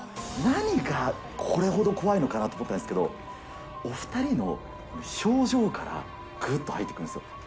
何がこれほど怖いのかなと思ったんですけど、お２人の表情からぐっと入ってくるんですよ。